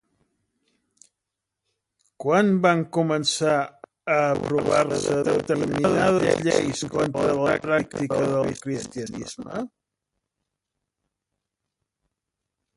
Quan van començar a aprovar-se determinades lleis contra la pràctica del cristianisme?